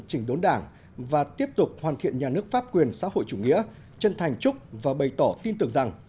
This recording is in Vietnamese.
chỉnh đốn đảng và tiếp tục hoàn thiện nhà nước pháp quyền xã hội chủ nghĩa chân thành chúc và bày tỏ tin tưởng rằng